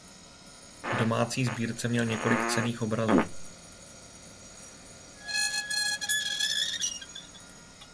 V domácí sbírce měl několik cenných obrazů.